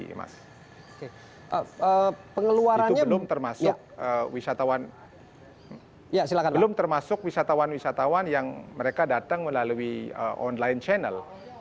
itu belum termasuk wisatawan wisatawan yang mereka datang melalui online channel